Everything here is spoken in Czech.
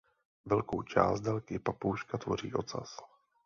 Velkou část délky papouška tvoří ocas.